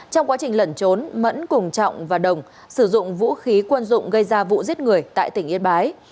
trong quá trình lẩn trốn mẫn cùng trọng và đồng sử dụng vũ khí quân dụng gây ra vụ giết người tại tỉnh yên bái